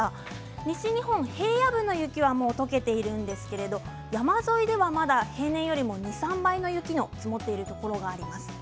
西日本平野部の雪はほぼ、とけているんですけれど山沿いでは平年より２倍３倍の雪が積もっているところがあります。